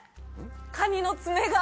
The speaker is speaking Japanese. カニの爪が。